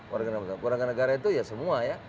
warganegara itu ya semua ya